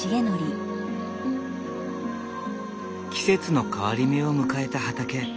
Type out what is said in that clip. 季節の変わり目を迎えた畑。